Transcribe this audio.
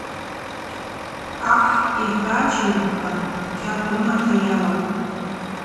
Ахӏ йхӏвачӏвыгӏвква кьахв рымата йалапӏ.